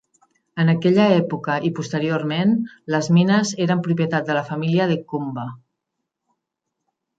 En aquella època i posteriorment, les mines eren propietat de la família Edgcumbe.